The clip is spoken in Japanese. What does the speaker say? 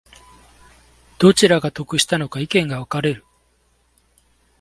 どちらが得したのか意見が分かれる